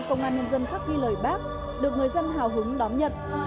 công an nhân dân khắc ghi lời bác được người dân hào hứng đón nhận